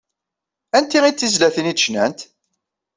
Anti ay d tizlatin ay d-cnant?